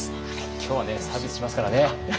今日はねサービスしますからね。